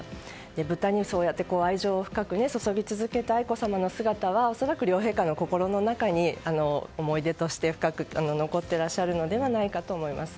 豚に愛情を深く注ぎ続けた愛子さまの姿は恐らく、両陛下の心の中に思い出として深く残っていらっしゃるのではないかと思います。